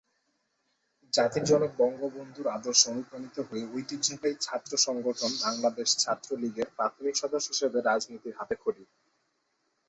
জাতির জনক বঙ্গবন্ধুর আদর্শে অনুপ্রাণিত হয়ে ঐতিহ্যবাহী ছাত্র সংগঠন বাংলাদেশ ছাত্র লীগের প্রাথমিক সদস্য হিসেবে রাজনীতির হাতেখড়ি।